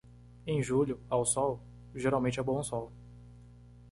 Em julho, ao sol, geralmente é bom sol.